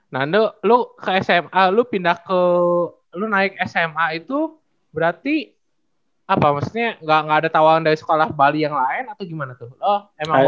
nah lo ke sma lo pindah ke lu naik sma itu berarti apa maksudnya gak ada tawaran dari sekolah bali yang lain atau gimana tuh emang